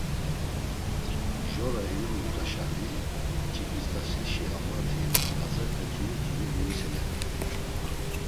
Mjora eyulurt̆uşani; Cibist̆asişi avlati Lazepe tzulu tzulu moiselert̆ey.